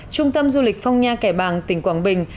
trung tâm du lịch phong nha kẻ bàng tỉnh quảng bình